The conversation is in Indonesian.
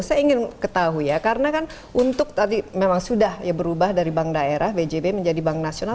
saya ingin ketahui ya karena kan untuk tadi memang sudah ya berubah dari bank daerah bjb menjadi bank nasional